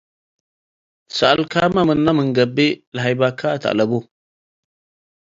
ትሰአልካመ ምን ገብእ ሀይበካተ አለቡ ።